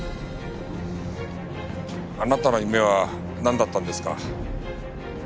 あなたの夢はなんだったんですか？